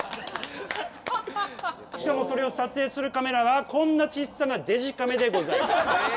しかもそれを撮影するカメラはこんな小さなデジカメでございます。